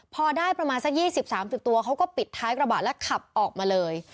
พอได้ประมาณสัก๒๐๓๐ตัวเขาก็ปิดท้ายกระบะแล้วขับออกมาเลย